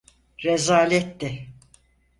Rezaletti.